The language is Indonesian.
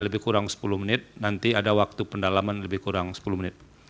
lebih kurang sepuluh menit nanti ada waktu pendalaman lebih kurang sepuluh menit